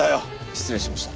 失礼しました。